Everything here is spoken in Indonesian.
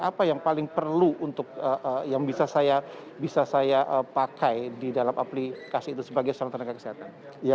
apa yang paling perlu untuk yang bisa saya pakai di dalam aplikasi itu sebagai seorang tenaga kesehatan